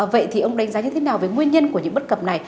vậy thì ông đánh giá như thế nào về nguyên nhân của những bất cập này